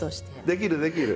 できるできる！